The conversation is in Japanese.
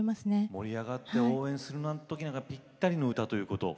盛り上がって応援するときにぴったりの曲。